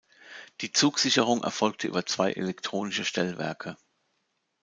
Die Zugsicherung erfolgt über zwei Elektronische Stellwerke.